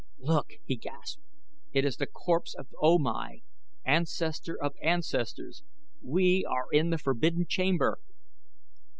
"Look!" he gasped. "It is the corpse of O Mai! Ancestor of ancestors! we are in the forbidden chamber."